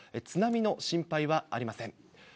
津波の心配はありません。